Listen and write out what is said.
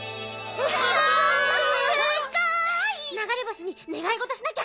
すごい！ながれ星にねがいごとしなきゃ！